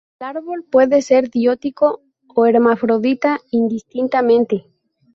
El árbol puede ser dioico o hermafrodita indistintamente.